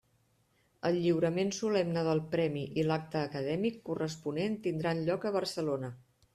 El lliurament solemne del Premi i l'acte acadèmic corresponent tindran lloc a Barcelona.